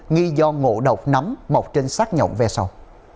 nghi do ngộ độc nắm mộc trên sát nhộn ve sầu